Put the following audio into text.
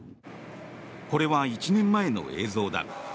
これは１年前の映像だ。